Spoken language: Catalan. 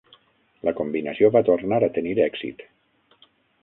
La combinació va tornar a tenir èxit.